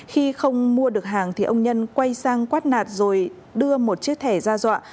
khi không mua được hàng ông nhân quay sang quát nạt rồi đưa một chiếc thẻ ra dọa